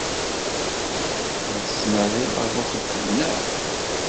La tettnadid ɣef uxeddim, naɣ?